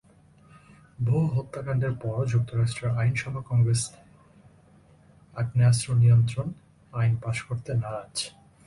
বহু হত্যাকাণ্ডের পরও যুক্তরাষ্ট্রের আইনসভা কংগ্রেস আগ্নেয়াস্ত্র নিয়ন্ত্রণ আইন পাস করতে নারাজ।